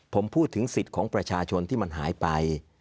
ผมพูดถึงสิทธิ์ของประชาชนที่มันหายไป